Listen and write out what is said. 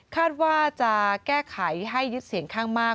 คาดว่าจะแก้ไขให้ยึดเสียงข้างมาก